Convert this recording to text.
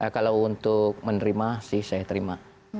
kalau untuk menerima sih saya terima